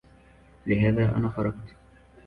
لهذا أنا خرجت